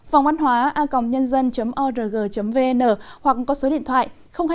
phòngvănhoaacomnhân dân org vn hoặc có số điện thoại hai mươi bốn ba mươi hai sáu trăm sáu mươi chín năm trăm linh tám